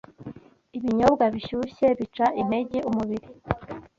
Ibinyobwa bishyushye bica intege umubiri